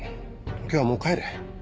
今日はもう帰れ。